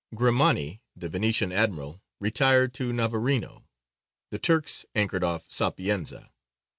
Grimani, the Venetian admiral, retired to Navarino; the Turks anchored off Sapienza.